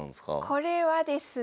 これはですね